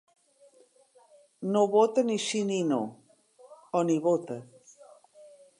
No vota ni sí ni no, o ni vota.